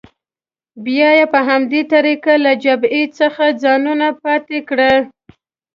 بیا یې په همدې طریقه له جبهې څخه ځانونه پاتې کړي.